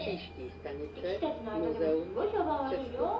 力士たちの間でもすっごい評判悪いよ。